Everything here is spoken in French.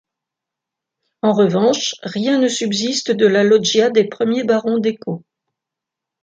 En revanche rien ne subsiste de la loggia des premiers barons d’Ecot.